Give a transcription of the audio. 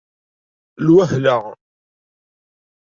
Lwehla